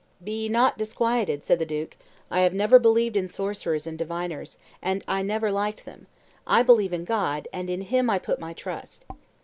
"Be ye not disquieted," said the duke; "I have never believed in sorcerers and diviners, and I never liked them; I believe in God, and in Him I put my trust."